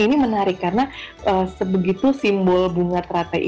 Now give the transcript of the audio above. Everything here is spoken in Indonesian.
ini menarik karena sebegitu simbol bunga teratai